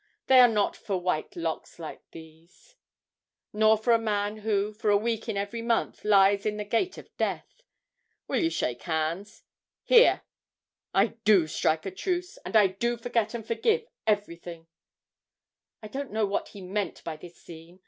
They are not for white locks like these, nor for a man who, for a week in every month, lies in the gate of death. Will you shake hands? Here I do strike a truce; and I do forget and forgive everything." 'I don't know what he meant by this scene.